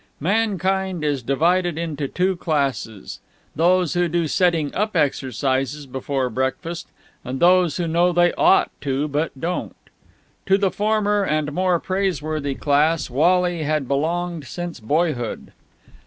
Mankind is divided into two classes those who do setting up exercises before breakfast and those who know they ought to but don't. To the former and more praiseworthy class Wally had belonged since boyhood.